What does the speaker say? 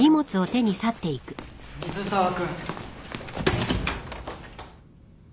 水沢君。